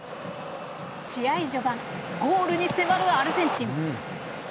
試合序盤ゴールに迫るアルゼンチン。